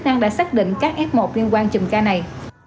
chức năng đã xác định các f một liên quan chùm ca này